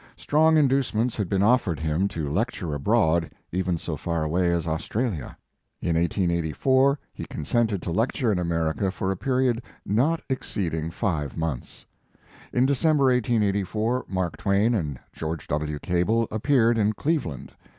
Strong inducements had been offered him to lecture abroad, even so far away as Australia. In 1 884 he consented His Life and Work. 147 to lecture in America for a period not ex ceeding five months. In December, 1884, Mark Twain and George W. Cable appeared in Cleveland.